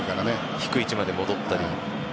低い位置まで戻ったり。